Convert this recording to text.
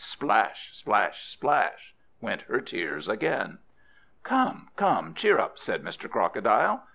Splash, splash, splash, went her tears again. "Come, come, cheer up," said Mr. Crocodile.